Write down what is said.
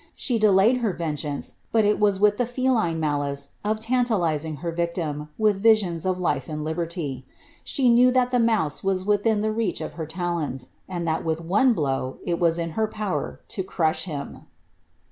She de layed her vengeance, but it was with the feline malice of tantalizing her victim with visions of life and liberty. She knew that the mouse was within the reach of her talons, and that with one blow it was in her power to crush him.